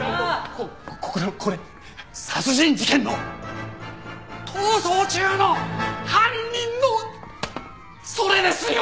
こっこれ殺人事件の逃走中の犯人のそれですよ！